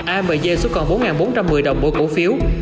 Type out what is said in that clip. amj xuống còn bốn bốn trăm một mươi đồng mỗi cổ phiếu